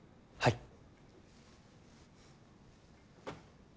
はい。